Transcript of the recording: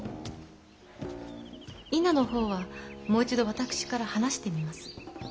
・稲の方はもう一度私から話してみます。